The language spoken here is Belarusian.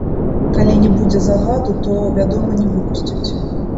Калі не будзе загаду, то, вядома, не выпусцяць.